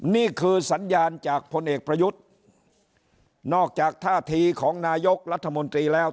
นี่คือสัญญาณจากพลเอกประยุทธ์นอกจากท่าทีของนายกรัฐมนตรีแล้ว